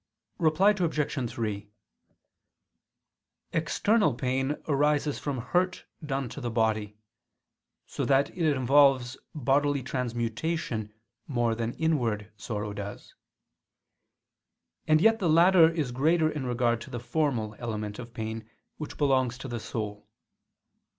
Reply Obj. 3: External pain arises from hurt done to the body, so that it involves bodily transmutation more than inward sorrow does: and yet the latter is greater in regard to the formal element of pain, which belongs to the soul.